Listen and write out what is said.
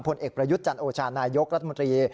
ผลเอกประยุทธ์จันโอชานายกรัฐมนตรี